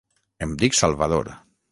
Em dic Salvador